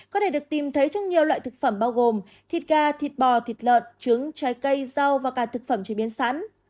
có thể được tìm thấy trong nhiều loại thực phẩm bao gồm thịt gà thịt bò thịt lợn trứng trái cây rau và cả thực phẩm chế biến sẵn